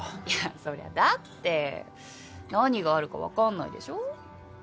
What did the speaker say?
いやそりゃだって何があるかわかんないでしょ？